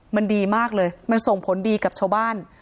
มันดีมากเลยมันส่งผลดีกับชาวบ้าน